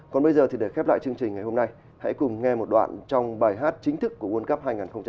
còn bây giờ thì để khép lại chương trình ngày hôm nay hãy cùng nghe một đoạn trong bài hát chính thức của world cup hai nghìn hai mươi